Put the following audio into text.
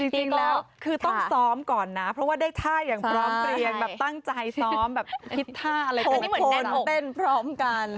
จริงแล้วคือต้องซ้อมก่อนนะเพราะว่าได้ท่าอย่างตั้งใจซ้อมแบบพิกษาเลย๖คนเต้นพร้อมกัน